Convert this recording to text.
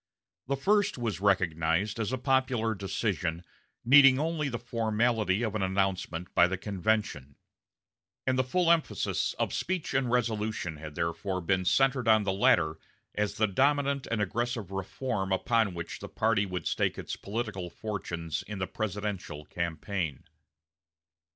The first was recognized as a popular decision needing only the formality of an announcement by the convention; and the full emphasis of speech and resolution had therefore been centered on the latter as the dominant and aggressive reform upon which the party would stake its political fortunes in the presidential campaign.